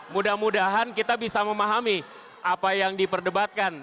mudah mudahan kita bisa memahami apa yang diperdebatkan